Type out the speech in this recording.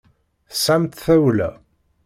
Tesɛamt tawla.